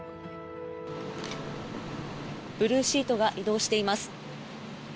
ブルーシートが移動しています。